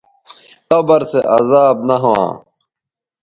قبر سو عذاب نہ ھواں